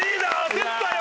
焦ったよ！